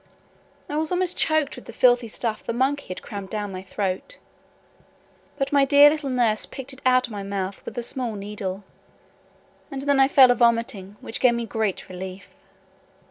I was almost choked with the filthy stuff the monkey had crammed down my throat: but my dear little nurse picked it out of my mouth with a small needle, and then I fell a vomiting, which gave me great relief.